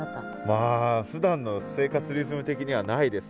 まあふだんの生活リズム的にはないですね。